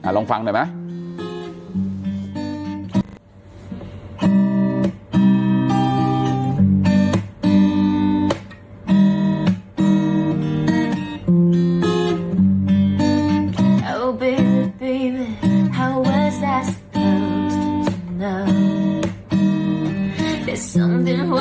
อ่ะลองฟังด้วยไหม